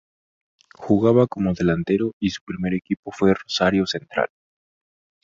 Jugaba como delantero y su primer equipo fue Rosario Central.